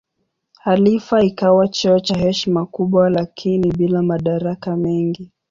Khalifa ikawa cheo cha heshima kubwa lakini bila madaraka mengi.